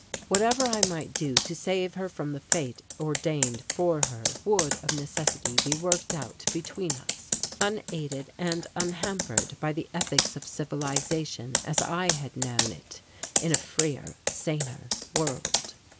Whatever I might do to save her from the fate ordained for her would of necessity be worked out between us, unaided and unhampered by the ethics of civilization as I had known it in a freer, saner world.